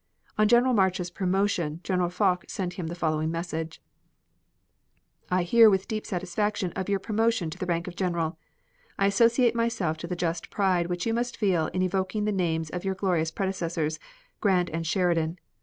On General March's promotion General Foch sent him the following message: I hear with deep satisfaction of your promotion to the rank of General. I associate myself to the just pride which you must feel in evoking the names of your glorious predecessors, Grant and Sheridan.